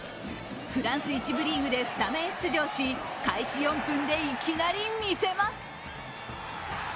フランス１部リーグでスタメン出場し、開始４分でいきなり見せます。